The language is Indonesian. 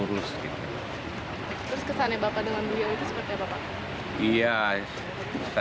terus kesannya bapak dengan beliau itu seperti apa pak